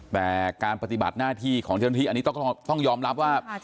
แต่การปฏิบัติหน้าที่ของเจ้าหน้าที่อันนี้ต้องยอมรับว่า